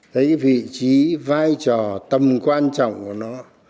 thấy vị trí vai trò tầm quan trọng của nó